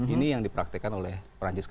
ini yang dipraktikan oleh perancis kemarin